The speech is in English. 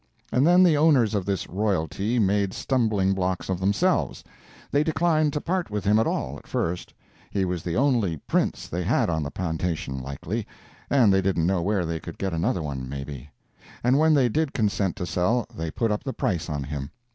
And then the owners of this royalty made stumbling blocks of themselves. They declined to part with him at all, at first. He was the only Prince they had on the plantation, likely, and they didn't know where they could get another one, maybe. And when they did consent to sell they put up the price on him.